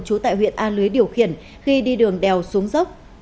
chú tại huyện an lưới điều khiển khi đi đường đèo xuống dốc